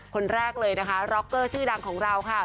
คนแรกเลยนะคะร็อกเกอร์ชื่อดังของเราค่ะ